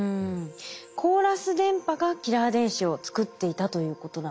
コーラス電波がキラー電子を作っていたということなんですね。